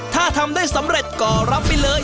ถ้าทำได้สำเร็จก็รับไปเลย